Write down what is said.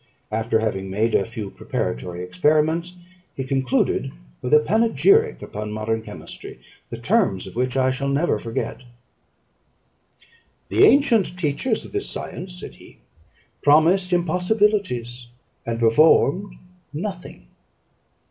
After having made a few preparatory experiments, he concluded with a panegyric upon modern chemistry, the terms of which I shall never forget: "The ancient teachers of this science," said he, "promised impossibilities, and performed nothing.